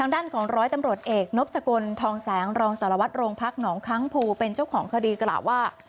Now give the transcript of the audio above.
ด้านของร้อยตำรวจเอกนบสกลทองแสงรองสารวัตรโรงพักหนองค้างภูเป็นเจ้าของคดีกล่าวว่า